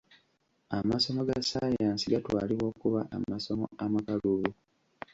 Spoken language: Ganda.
Amasomo ga ssaayansi gatwalibwa okuba amasomo amakalubu.